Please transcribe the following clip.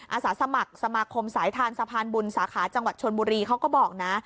อาสาสมัครสมาคมสายทานสะพานบุญสาขาจังหวัดชนบุรีเขาก็บอกนะ